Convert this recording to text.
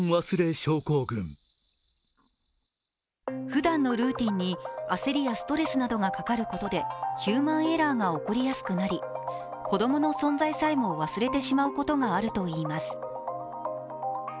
ふだんのルーティンに焦りやストレスがかかることでヒューマンエラーが起こりやすくなり、子供の存在させも忘れてしまうことがあるといいます。